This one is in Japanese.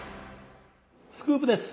スクープです！